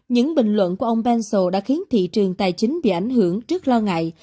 những bình luận của ông penso đã khiến thị trường tài chính bị ảnh hưởng trước lo ngại